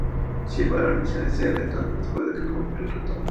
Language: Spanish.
Si el valor inicial es cero, entonces no se puede calcular el retorno.